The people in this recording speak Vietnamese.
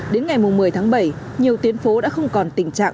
đến ngày một mươi tháng bảy nhiều tuyến phố đã không còn tình trạng